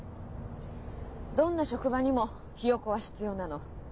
どんな職場にもヒヨコは必要なの。